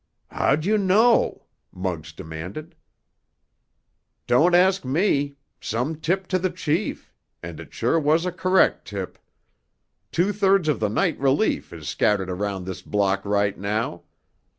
"How'd you know?" Muggs demanded. "Don't ask me! Some tip to the chief—and it sure was a correct tip. Two thirds of the night relief is scattered around this block right now.